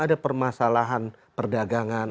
ada permasalahan perdagangan